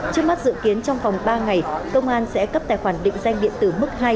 trước mắt dự kiến trong vòng ba ngày công an sẽ cấp tài khoản định danh điện tử mức hai